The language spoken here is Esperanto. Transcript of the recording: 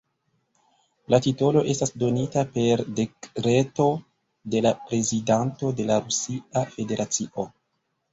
La titolo estas donita per dekreto de la prezidanto de la Rusia Federacio.